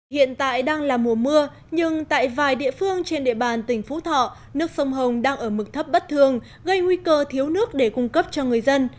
hiện tại đang là mùa mưa nhưng tại vài địa phương trên địa bàn tỉnh phú thọ nước sông hồng đang ở mực thấp bất thường gây nguy cơ thiếu nước để cung cấp cho người dân